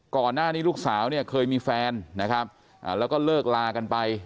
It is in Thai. ก่อนหน้านี้ลูกสาวเนี่ยเคยมีแฟนนะครับแล้วก็เลิกลากันไป